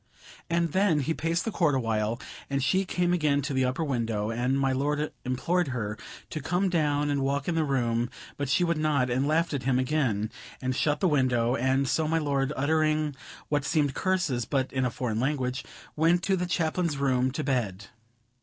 And then he paced the court awhile, and she came again to the upper window; and my lord implored her to come down and walk in the room; but she would not, and laughed at him again, and shut the window; and so my lord, uttering what seemed curses, but in a foreign language, went to the Chaplain's room to bed.